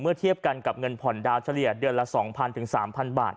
เทียบกันกับเงินผ่อนดาวเฉลี่ยเดือนละ๒๐๐๓๐๐บาท